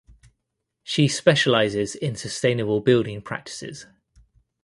She specialises in sustainable building practices.